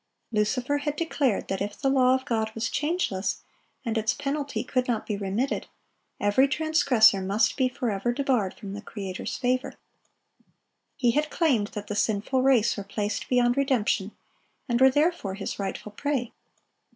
Lucifer had declared that if the law of God was changeless, and its penalty could not be remitted, every transgressor must be forever debarred from the Creator's favor. He had claimed that the sinful race were placed beyond redemption, and were therefore his rightful prey.